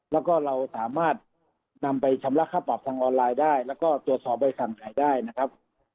แล้วก็เราสามารถนำไปชำระค่าปรับทางออนไลน์ได้แล้วก็ตรวจสอบใบสั่งขายได้นะครับ